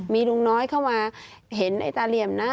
มีลุงน้อยเข้ามาเห็นไอ้ตาเหลี่ยมนะ